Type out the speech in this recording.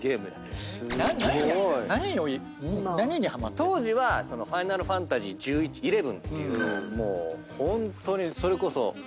当時は『ファイナルファンタジーⅪ』っていうのをもうホントにそれこそ。